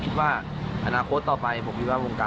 ของขอบคามน้องได้